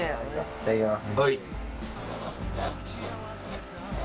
いただきます。